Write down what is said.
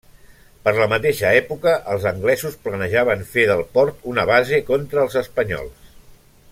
Per la mateixa època, els anglesos planejaven fer del port una base contra els espanyols.